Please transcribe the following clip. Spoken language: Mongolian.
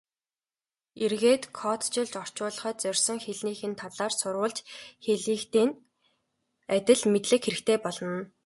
Эргээд кодчилж орчуулахад зорьсон хэлнийх нь талаар сурвалж хэлнийхтэй адил мэдлэг хэрэгтэй болно.